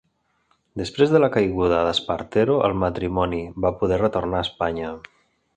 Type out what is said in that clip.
Després de la caiguda d'Espartero, el matrimoni va poder retornar a Espanya.